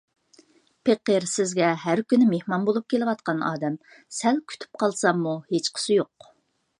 پېقىر سىزگە ھەر كۈنى مېھمان بولۇپ كېلىۋاتقان ئادەم، سەل كۈتۈپ قالساممۇ ھېچقىسى يوق.